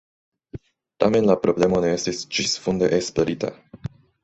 Tamen la problemo ne estis ĝisfunde esplorita.